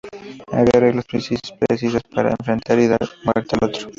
Había reglas precisas para enfrentar y dar muerte al toro.